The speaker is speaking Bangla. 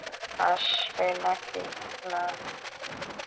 আসবে নাকি না?